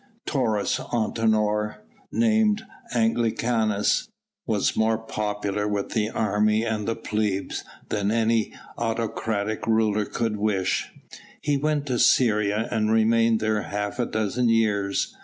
Taurus Antinor, named Anglicanus, was more popular with the army and the plebs than any autocratic ruler could wish. He went to Syria and remained there half a dozen years.